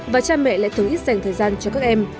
và cha mẹ lại thường ít dành thời gian cho các em